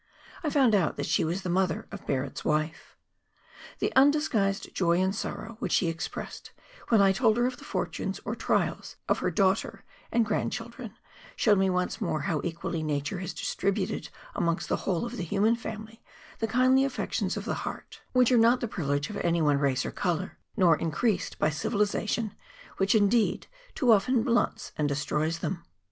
I found out that she was the mother of Barret's wife. The undisguised joy and sorrow which she expressed when I told her of the fortunes or trials of her daughter and grandchildren showed me once more how equally Nature has distributed amongst the whole of the human family the kindly affections of the heart, which are not the privilege of any one 168 GEOLOGICAL FEATURES [PART I. race or colour, nor increased by civilization, which indeed too often blunts and destroys them.